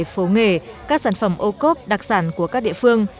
phố nghề các sản phẩm ô cốp đặc sản của các địa phương